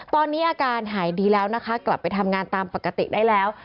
ตอนนี้อาการหายดีแล้วนะคะกลับไปทำงานตามปกติได้แล้ว